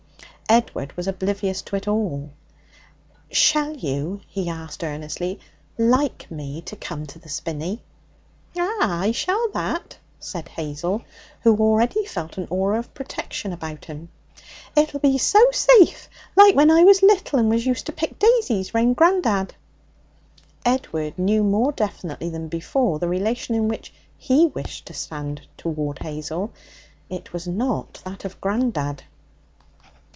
Edward was oblivious to it all. 'Shall you,' he asked earnestly, 'like me to come to the Spinney?' 'Ah, I shall that!' said Hazel, who already felt an aura of protection about him. 'It'll be so safe like when I was little, and was used to pick daisies round grandad.' Edward knew more definitely than before the relation in which he wished to stand towards Hazel. It was not that of grandad.